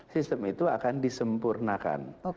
sistem itu akan disempurnakan